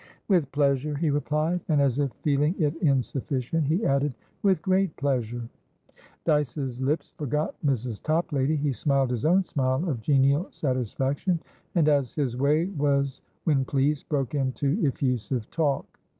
"With pleasure," he replied; and, as if feeling it insufficient, he added, "with great pleasure!" Dyce's lips forgot Mrs. Toplady; he smiled his own smile of genial satisfaction, and, as his way was when pleased, broke into effusive talk.